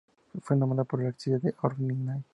Fue nombrada por Alcide d'Orbigny.